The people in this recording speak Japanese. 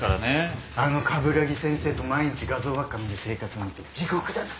あの鏑木先生と毎日画像ばっか見る生活なんて地獄だな。